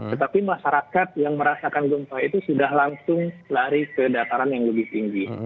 tetapi masyarakat yang merasakan gempa itu sudah langsung lari ke dataran yang lebih tinggi